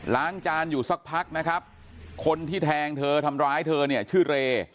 ล้างจานอยู่สักพักนะครับคนที่แทงเธอทำร้ายเธอเนี่ยชื่อเร